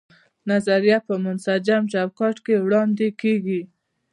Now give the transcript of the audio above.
نظریه په منسجم چوکاټ کې وړاندې کیږي.